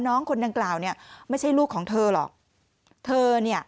น้องคนดังกล่าวเนี่ยไม่ใช่ลูกของเธอหรอกเธอเนี่ย